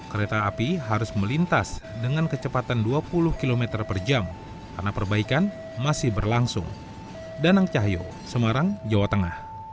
kereta api harus melintas dengan kecepatan dua puluh km per jam karena perbaikan masih berlangsung